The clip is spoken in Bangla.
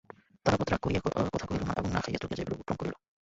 তারাপদ রাগ করিয়া কথা কহিল না এবং না খাইয়া চলিয়া যাইবার উপক্রম করিল।